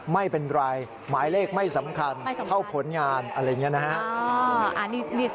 ไม่เป็นไรหมายเลขไม่สำคัญเท่าผลงานอะไรอย่างนี้นะฮะ